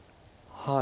はい。